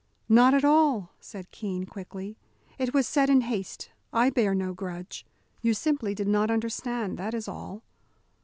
"Not at all," said Keene, quickly, "it was said in haste, I bear no grudge. You simply did not understand, that is all."